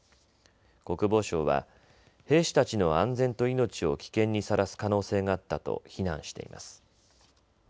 国防省は兵士たちの安全と命を危険にさらす可能性があったと非難しています。